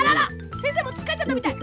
せんせいもつっかえちゃったみたい。